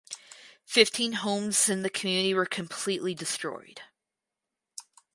Fifteen homes in the community were completely destroyed.